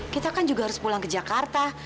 kita kan juga harus pulang ke jakarta